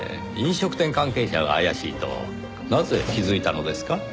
飲食店関係者が怪しいとなぜ気づいたのですか？